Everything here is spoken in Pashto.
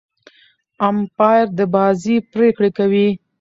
امپاير د بازۍ پرېکړي کوي.